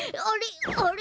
あれ？